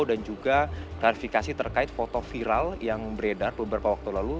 dan juga klarifikasi terkait foto viral yang beredar beberapa waktu lalu